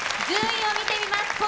順位を見てみます。